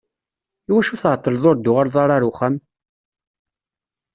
Iwacu tεeṭṭleḍ ur d-tuɣaleḍ ara ɣer uxxam?